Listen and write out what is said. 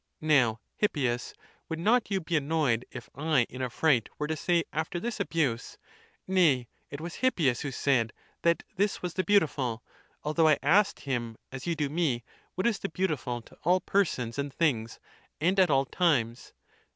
Now, Hippias, would not you be annoyed, if 1, ina fright, were to say after this (abuse), Nay, it was Hippias who said that this was the beautiful; although Tasked him, as you do me, what is the beautiful to all persons and things, and at all times